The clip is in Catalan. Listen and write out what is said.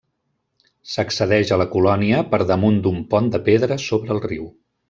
S'accedeix a la colònia per damunt d'un pont de pedra sobre el riu.